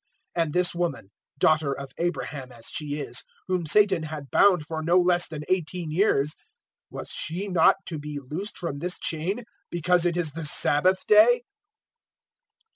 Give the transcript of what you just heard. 013:016 And this woman, daughter of Abraham as she is, whom Satan had bound for no less than eighteen years, was she not to be loosed from this chain because it is the Sabbath day?"